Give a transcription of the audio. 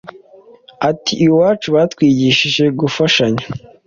Ati “ Iwacu batwigishije gufashanya